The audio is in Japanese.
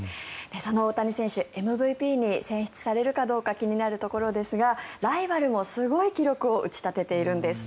その大谷選手ＭＶＰに選出されるかどうか気になるところですがライバルもすごい記録を打ち立てているんです。